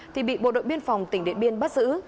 thì bị bộ đội biên phòng tỉnh điện biên bắt giữ